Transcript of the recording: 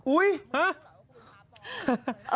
อุ๊ยฮะ